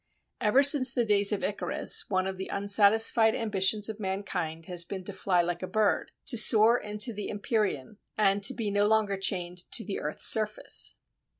Ever since the days of Icarus, one of the unsatisfied ambitions of mankind has been to fly like a bird, to "soar into the empyrean," and to be no longer chained to the earth's surface.